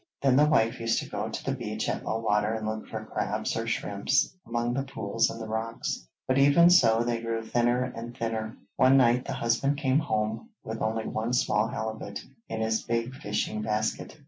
Then the wife used to go to the beach at low water and look for crabs or shrimps among the pools in the rocks, but even so they grew thinner and thinner. One night the husband came home with only one small halibut in his big fishing basket.